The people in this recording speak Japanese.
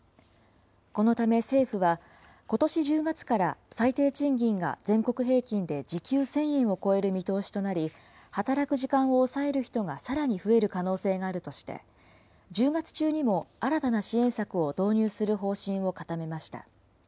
このため政府は、ことし１０月から、最低賃金が全国平均で時給１０００円を超える見通しとなり、働く時間を抑える人がさらに増える可能性があるとして、１０月中にも新たな支援策を導入する方針を固めました。